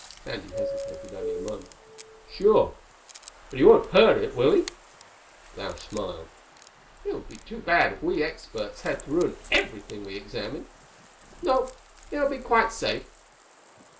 Sandy hesitated only a moment. "Sure. But he won't hurt it, will he?" Lausch smiled. "It would be too bad if we experts had to ruin everything we examined. No, it will be quite safe."